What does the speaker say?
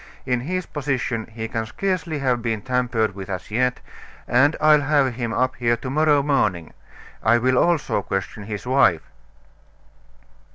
In his position he can scarcely have been tampered with as yet, and I'll have him up here to morrow morning; I will also question his wife."